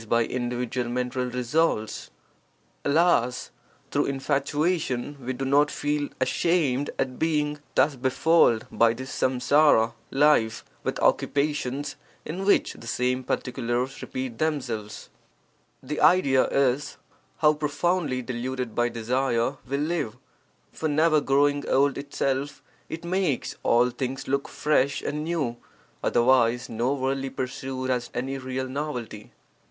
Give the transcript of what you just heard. by individual mental resolves. Alas, HUNDRED VERSES ON RENUNCIATION 31 through infatuation we do not feel ashamed at being thus befooled by this samsara (life) with occupations in which the same particulars repeat themselves! [The idea is: How profoundly deluded by desire we live! For never growing old itself, it makes all things look fresh and new, otherwise no worldly pursuit has any real novelty.